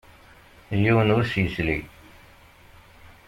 Yiwen ur s-yesli.